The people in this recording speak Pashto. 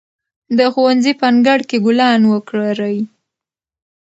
د ښوونځي په انګړ کې ګلان وکرئ.